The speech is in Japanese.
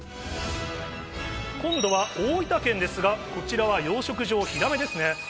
今度は大分県ですが、こちらは養殖場、ヒラメですね。